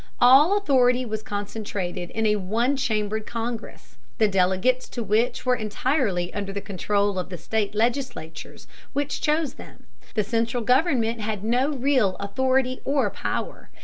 All authority was concentrated in a one chambered congress, the delegates to which were entirely under the control of the state legislatures which chose them. The central government had no real authority or power.